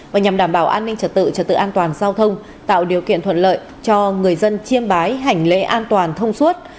và nhằm đảm bảo an ninh trật tự trật tự an toàn giao thông tạo điều kiện thuận lợi cho người dân chiêm bái hành lễ an toàn thông suốt